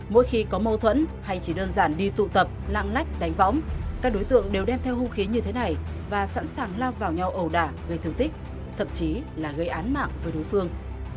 mỗi khi có mâu thuẫn hay chỉ đơn giản đi tụ tập lăng lách đánh võng các đối tượng đều đem theo hung khí như thế này và sẵn sàng lao vào nhau ẩu đả gây thương tích thậm chí là gây án mạng với đối phương